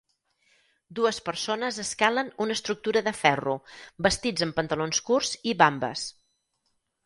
Dues persones escalen una estructura de ferro vestits amb pantalons curts i vambes.